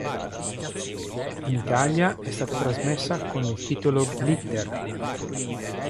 In Italia è stata trasmessa con il titolo "Glitter".